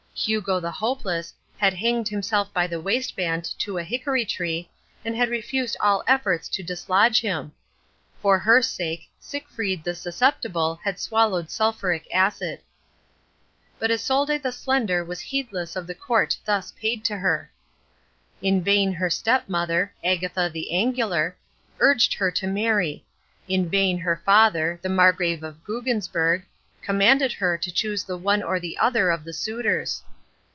Hugo the Hopeless had hanged himself by the waistband to a hickory tree and had refused all efforts to dislodge him. For her sake Sickfried the Susceptible had swallowed sulphuric acid. Illustration: Hugo the Hopeless had hanged himself But Isolde the Slender was heedless of the court thus paid to her. In vain her stepmother, Agatha the Angular, urged her to marry. In vain her father, the Margrave of Buggensberg, commanded her to choose the one or the other of the suitors.